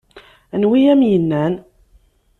Anwa ay am-yennan?